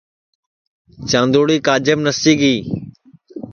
چاندُؔوڑی کاجیم نسی گی